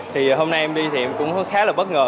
thì hôm nay em đi thì em cũng khá là bất ngờ